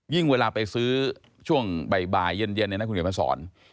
เวลาไปซื้อช่วงบ่ายเย็นเนี่ยนะคุณเขียนมาสอน